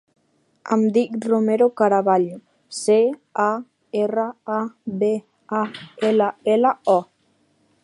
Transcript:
Em dic Romeo Caraballo: ce, a, erra, a, be, a, ela, ela, o.